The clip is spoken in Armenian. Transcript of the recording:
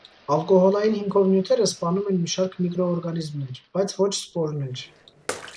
Ալկոհոլային հիմքով նյութերը սպանում են մի շարք միկրոօրգանիզմներ, բայց ոչ սպորներ։